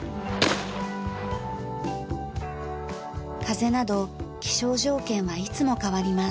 風など気象条件はいつも変わります。